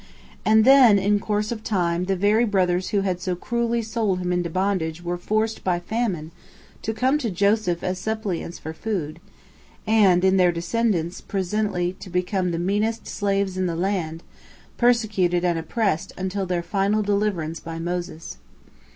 And then in course of time the very brothers who had so cruelly sold him into bondage were forced by famine to come to Joseph as suppliants for food, and, in their descendants, presently to become the meanest slaves in the land, persecuted and oppressed until their final deliverance by Moses.